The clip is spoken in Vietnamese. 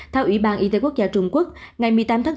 theo ủy ban y tế quốc gia trung quốc ngày một mươi tám tháng năm